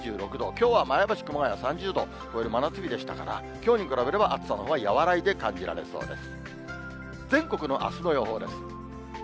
きょうは前橋、熊谷３０度、超える真夏日でしたから、きょうに比べれば暑さのほうは和らいで感じられそうです。